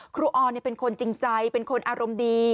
ออนเป็นคนจริงใจเป็นคนอารมณ์ดี